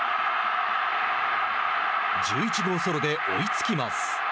１１号ソロで追いつきます。